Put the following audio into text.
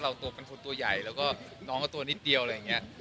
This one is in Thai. เพราะว่าเราเป็นคนตัวใหญ่แล้วก็น้องก็ตัวนิดเดียวอะไรอย่างเงี้ย